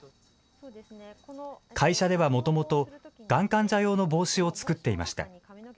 会社ではもともと、がん患者用の帽子を作っていました。